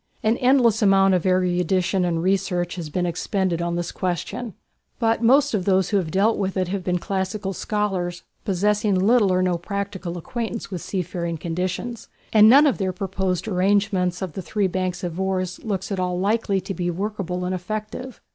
An endless amount of erudition and research has been expended on this question; but most of those who have dealt with it have been classical scholars possessing little or no practical acquaintance with seafaring conditions, and none of their proposed arrangements of three banks of oars looks at all likely to be workable and effective.